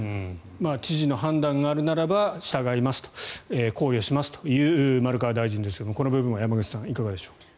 知事の判断があるならば従います、考慮しますという丸川大臣ですけどこの部分は山口さんいかがですか？